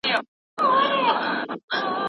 د لمبې د ژبې سره متروکه